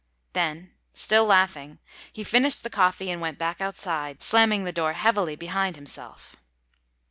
Then, still laughing, he finished the coffee and went back outside, slamming the door heavily behind himself.